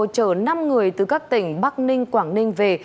chở năm người từ các tỉnh bắc ninh quảng ninh về